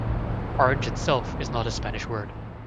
"Orange" itself is not a Spanish word.